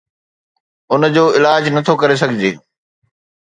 ان جو علاج نه ٿو ڪري سگهجي